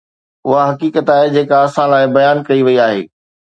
اها حقيقت آهي جيڪا اسان لاءِ بيان ڪئي وئي آهي.